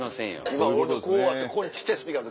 今俺のこうあってここに小っちゃいスピーカー。